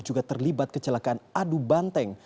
juga terlibat kecelakaan adu banteng